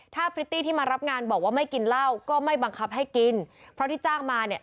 ถ้าพริตตี้ที่มารับงานบอกว่าไม่กินเหล้าก็ไม่บังคับให้กินเพราะที่จ้างมาเนี่ย